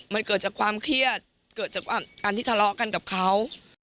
มันเกิดจากความเครียดเกิดจากการที่ทะเลาะกันกับเขา